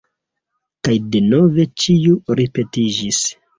Kaj denove ĉio ripetiĝis.